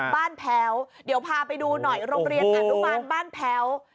แพ้วเดี๋ยวพาไปดูหน่อยโรงเรียนอนุบาลบ้านแพ้ว